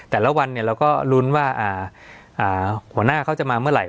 แต่ละวันเราก็ลุ้นว่าหัวหน้าเขาจะมาเมื่อไหร่